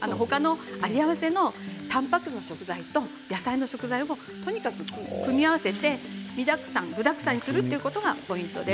有り合わせのたんぱく質な食材と野菜の食材をとにかく組み合わせて実だくさん具だくさんにすることがポイントです。